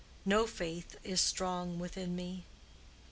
No faith is strong within me.